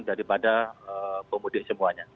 daripada pemudik semuanya